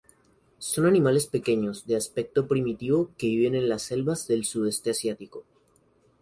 Son animales pequeños de aspecto primitivo que viven en las selvas del sudeste asiático.